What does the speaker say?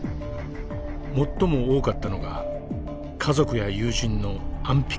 最も多かったのが家族や友人の安否確認。